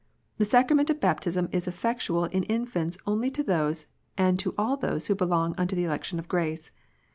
The sacrament of baptism is effectual in infants only to those and to all those who belong unto the election of grace.